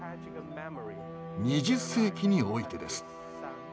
２０世紀においてです。